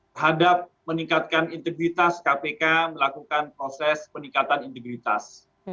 terhadap meningkatkan integritas kpk melakukan proses peningkatan integritas